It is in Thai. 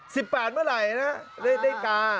สิบแปดเมื่อไหร่นะได้กา